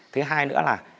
thứ hai nữa là